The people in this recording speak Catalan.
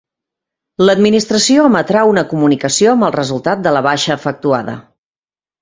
L'Administració emetrà una comunicació amb el resultat de la baixa efectuada.